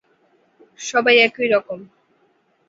সবাই একই রকম।